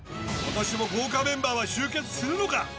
今年も豪華メンバーは集結するのか！？